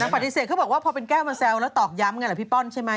ปฏิเสธเขาบอกว่าพอเป็นแก้วมาแซวแล้วตอกย้ำกันแหละพี่ป้อนใช่ไหม